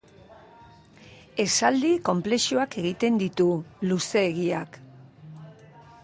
Esaldi konplexuak egiten ditu, luzeegiak.